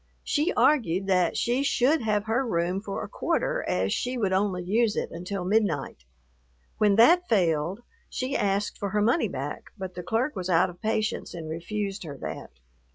She argued that she should have her room for a quarter, as she would only use it until midnight. When that failed, she asked for her money back, but the clerk was out of patience and refused her that.